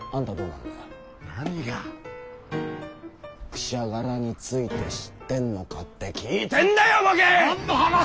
「くしゃがら」について知ってんのかって聞いてんだよボゲェーッ！